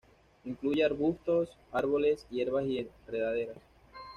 Incluye arbustos, árboles, hierbas y enredaderas.